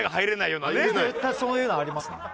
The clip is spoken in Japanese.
絶対そういうのありますもん。